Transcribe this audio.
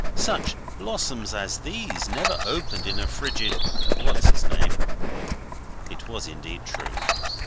Such blossoms as these never opened in a frigid what's its name.' It was indeed true.